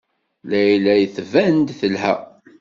Layla tban-d telha.